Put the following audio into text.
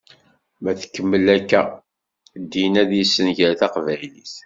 Ma tkemmel akka, ddin ad yessenger taqbaylit.